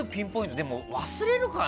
でも忘れるかな。